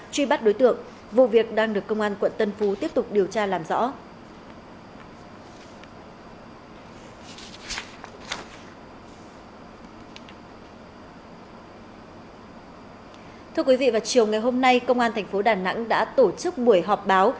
thưa quý vị vào chiều ngày hôm nay công an tp đà nẵng đã tổ chức buổi họp báo